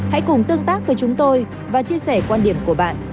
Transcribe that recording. hãy cùng tương tác với chúng tôi và chia sẻ quan điểm của bạn